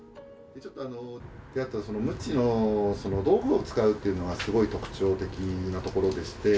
むちを、道具を使うというのが、すごい特徴的なところでして。